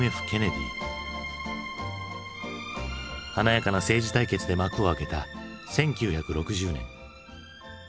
華やかな政治対決で幕を開けた１９６０年。